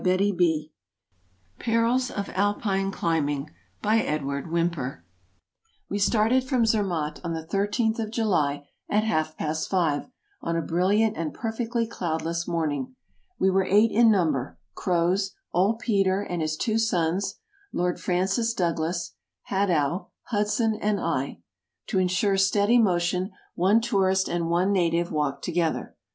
EUROPE Perils of Alpine Climbing By EDWARD WHYMPER WE started from Zermatt on the thirteenth of July at half past five, on a brilliant and perfectly cloudless morning. We were eight in number — Croz, old Peter and his two sons, Lord Francis Douglas, Hadow, Hudson and I. To insure steady motion, one tourist and one native walked together.